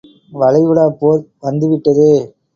வளைகுடாப் போர் வந்துவிட்டதே!